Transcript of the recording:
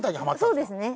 そうですね。